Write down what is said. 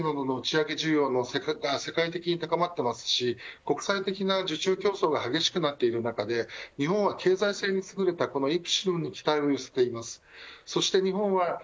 小型衛星の打ち上げ需要が世界的に高まっていますし国際的な受注競争が激しくなっている中で日本は経済性にすぐれたイプシロンに期待を寄せています。